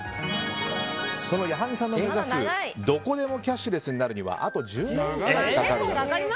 矢作さんの目指すどこでもキャッシュレスになるにはあと１０年くらいかかると。